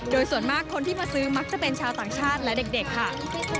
โดยส่วนมากคนที่มาซื้อมักจะเป็นชาวต่างชาติและเด็กค่ะ